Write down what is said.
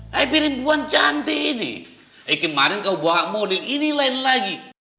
hai perempuan cantik ini eh kemarin kau bawa model ini lain lagi